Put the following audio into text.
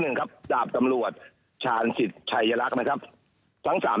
หนึ่งครับจ่าปตำรวจชานสิตชายรักนะครับทั้งสาม